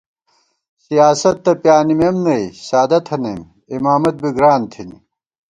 سیاست تہ پیانِمېم نئ، سادہ تھنَئیم، امامت بی گران تھِنی